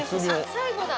最後だ